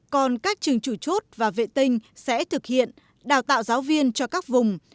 còn các trường chủ chốt và vệ tinh sẽ thực hiện đào tạo giáo viên cho các vùng